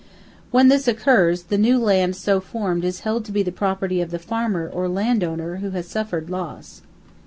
When this occurs, the new land so formed is held to be the property of the farmer or landowner who has suffered loss.